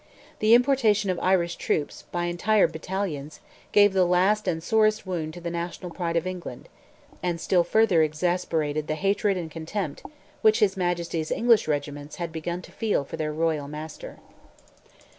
The importation of Irish troops, by entire battalions, gave the last and sorest wound to the national pride of England, and still further exasperated the hatred and contempt which his majesty's English regiments had begun to feel for their royal master.